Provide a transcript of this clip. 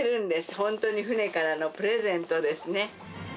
ホントに船からのプレゼントですね